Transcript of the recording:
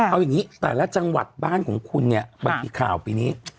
เอาอย่างนี้แต่ละจังหวัดบ้านของคุณเนี่ยบางทีข่าวปีนี้